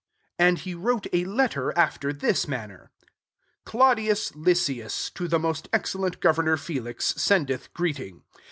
^' 25 And he wrote a letter after this manner : 26 << Clau dius Lysias, to the most excel lent governor Felix, aendeth greeting.